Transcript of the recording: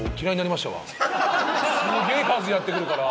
すげえ数やってくるから。